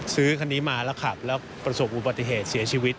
ซื้อคันนี้มาแล้วขับแล้วประสบอุบัติเหตุเสียชีวิต